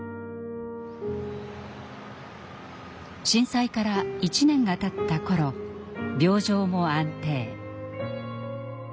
震災から１年がたった頃病状も安定。